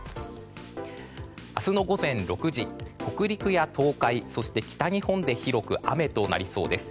明日の午前６時北陸や東海そして北日本で広く雨となりそうです。